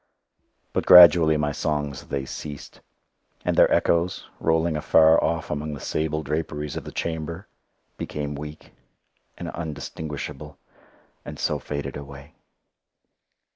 But gradually my songs they ceased, and their echoes, rolling afar off among the sable draperies of the chamber, became weak, and undistinguishable, and so faded away.